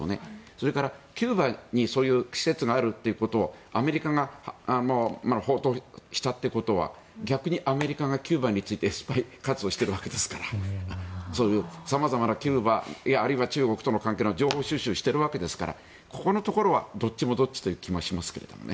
それからキューバにそういう施設があるということをアメリカが報道したということは逆にアメリカがキューバについてスパイ活動をしているわけですから様々なキューバや中国との関係を情報収集しているわけですからここのところはどっちもどっちという気がしますけどね。